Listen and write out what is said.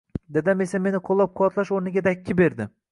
Dadam esa meni qoʻllab-quvvatlash oʻrniga dakki berdi: